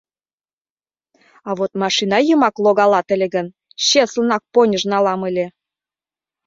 А вот машина йымак логалат ыле гын, чеслынак поньыж налам ыле.